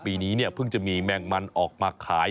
ปีนี้เนี่ยเพิ่งจะมีแมงมันออกมาขาย